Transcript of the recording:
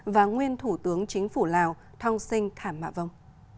và nguyên thủ tướng chính phủ lào thong sinh thảm mạ vông